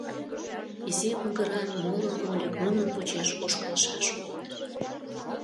Изи оҥгыран моло вольык нунын почеш ошкылшаш улыт.